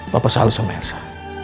papa selalu sama elsa